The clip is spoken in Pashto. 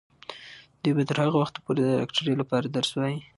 دوی به تر هغه وخته پورې د ډاکټرۍ لپاره درس وايي.